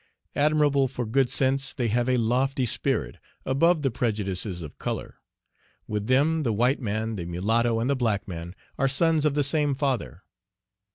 Admirable for good sense, they have a lofty spirit, above the prejudices of color; with them, the white man, the mulatto, and the black man, are sons of the same Father.